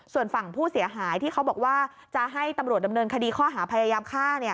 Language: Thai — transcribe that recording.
ส่วนฝั่งผู้เสียหายที่เขาบอกว่าจะให้ตำรวจดำเนินคดีข้อหาพยายามฆ่า